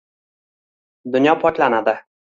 Dunyo poklanadi